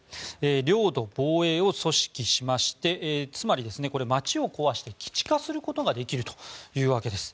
領土防衛を組織しましてつまり、街を壊して基地化することができるというわけです。